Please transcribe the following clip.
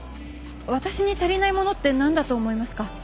私に足りないものって何だと思いますか？